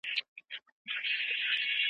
زه اوس مهال یوازې آنلاین ګډون کاروم.